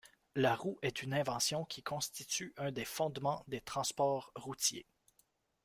La roue est une invention qui constitue un des fondements des transports routiers.